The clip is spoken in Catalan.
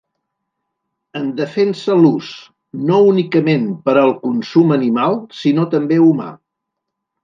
En defensa l’ús, no únicament per al consum animal sinó també humà.